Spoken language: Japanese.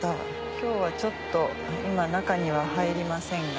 今日はちょっと中には入りませんが。